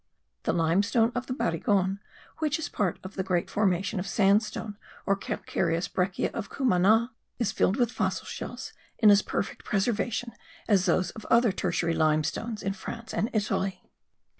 The limestone of the Barigon, which is a part of the great formation of sandstone or calcareous breccia of Cumana, is filled with fossil shells in as perfect preservation as those of other tertiary limestones in France and Italy.